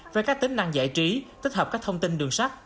với các tính năng giải trí tích hợp các thông tin đường sắt